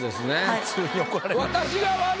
普通に怒られた。